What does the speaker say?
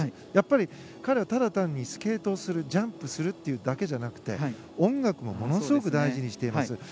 やっぱり彼はただ単にスケートをするジャンプをするというだけじゃなく音楽をものすごく大事にしています。